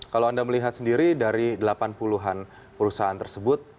kalau anda melihat sendiri dari delapan puluh an perusahaan tersebut